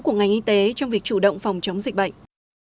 của ngành y tế trong việc chủ động phòng chống dịch bệnh